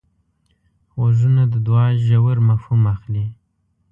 غوږونه د دوعا ژور مفهوم اخلي